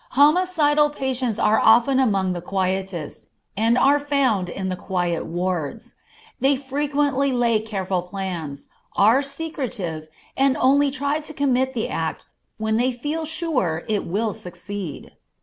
Homicidal patients are often among the quietest, and are found in the quiet wards. They frequently lay careful plans, are secretive, and only try to commit the act when they feel sure it will succeed.